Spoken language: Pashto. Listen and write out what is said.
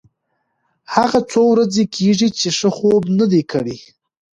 هغه څو ورځې کېږي چې ښه خوب نه دی کړی.